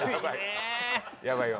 やばいよ。